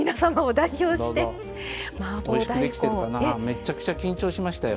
めっちゃくちゃ緊張しましたよ